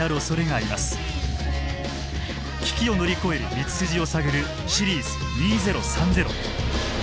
危機を乗り越える道筋を探る「シリーズ２０３０」。